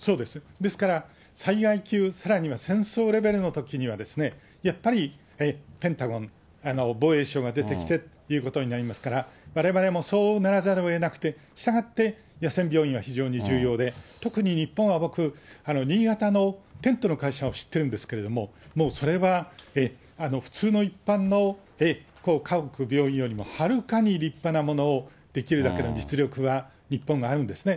ですから、災害級、さらには戦争レベルのときには、やっぱりペンタゴン、防衛省が出てきてということになりますから、われわれもそうならざるをえなくて、したがって、野戦病院は非常に重要で、特に日本は、僕、新潟のテントの会社を知ってるんですけれども、もうそれは、普通の一般の家屋、病院よりもはるかに立派なものをできるだけの実力は、日本はあるんですね。